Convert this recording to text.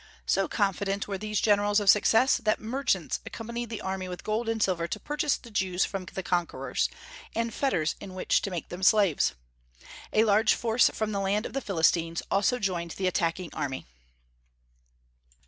So confident were these generals of success that merchants accompanied the army with gold and silver to purchase the Jews from the conquerors, and fetters in which to make them slaves. A large force from the land of the Philistines also joined the attacking army.